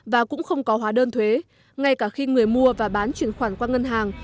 và cũng không có hóa đơn thuế ngay cả khi người mua và bán chuyển khoản qua ngân hàng